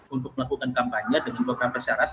untuk melakukan kampanye dengan program persyarat